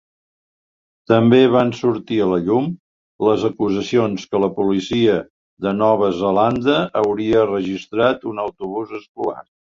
També van sortir a la llum les acusacions que la policia de Nova Zelanda hauria registrat un autobús escolar.